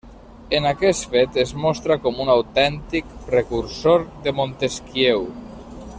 En aquest fet, es mostra com un autèntic precursor de Montesquieu.